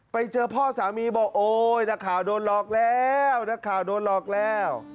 ไปเจอพ่อสามีบอกโอ้ยนักข่าวโดนหลอกแล้ว